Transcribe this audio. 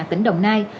tỉnh đồng nai